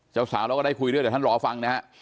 สาวเราก็ได้คุยด้วยเดี๋ยวท่านรอฟังนะฮะ